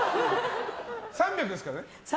３００ですからね。